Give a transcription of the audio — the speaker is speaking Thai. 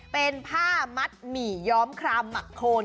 เป็นผ้ามัดหมี่ย้อมครามหมักโคน